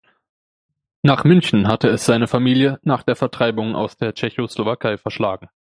Nach München hatte es seine Familie nach der Vertreibung aus der Tschechoslowakei verschlagen.